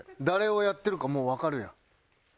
誰をやってるかもうわかるやん。